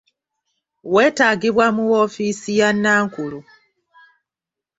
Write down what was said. Weetaagibwa mu woofiisi ya nankulu.